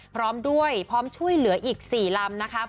พร้อมด้วยพร้อมช่วยเหลืออีก๔ลำนะคะ